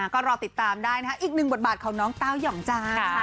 ก็รอติดตามได้นะคะอีกหนึ่งบทบาทของน้องเต้ายองจ้า